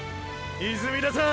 泉田さん！